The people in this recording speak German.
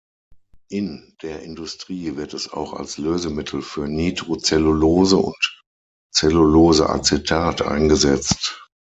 In der Industrie wird es auch als Lösemittel für Nitrocellulose und Celluloseacetat eingesetzt.